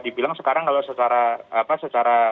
dibilang sekarang kalau secara